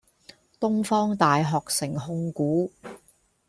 東方大學城控股